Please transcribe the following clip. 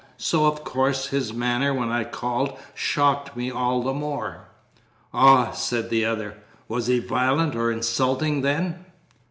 So, of course, his manner, when I called, shocked me all the more." "Ah!" said the other. "Was he violent or insulting, then?"